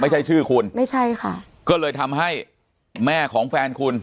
ชื่อคุณไม่ใช่ค่ะก็เลยทำให้แม่ของแฟนคุณ